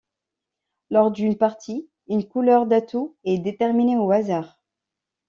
Lors d'une partie, une couleur d'atout est déterminée au hasard.